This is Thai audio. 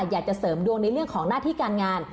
อยากจะเสริมดวงในเรื่องของหน้าที่การงาน